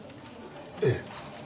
ええ。